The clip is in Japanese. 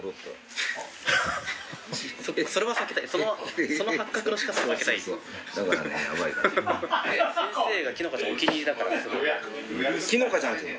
それは避けたい。